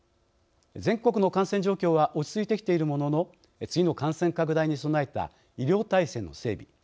全国の感染状況は落ち着いてきているものの次の感染拡大に備えた医療体制の整備